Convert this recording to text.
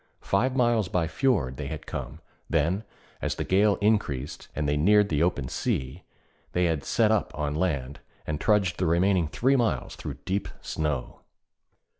Five miles by fjord they had come; then, as the gale increased, and they neared the open sea, they had 'set up' on land, and trudged the remaining three miles through deep snow.